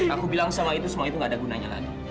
aku bilang sama itu semua itu gak ada gunanya lagi